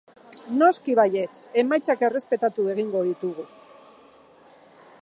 Noski baietz, emaitzak errespetatu egingo ditugu.